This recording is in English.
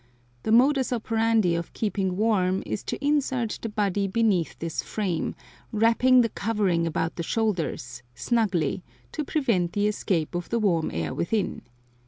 The modus operandi of keeping warm is to insert the body beneath this frame, wrapping the covering about the shoulders, snugly, to prevent the escape of the warm air within.